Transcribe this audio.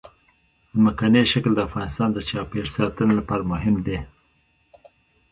ځمکنی شکل د افغانستان د چاپیریال ساتنې لپاره مهم دي.